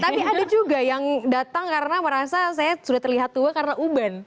tapi ada juga yang datang karena merasa saya sudah terlihat tua karena uban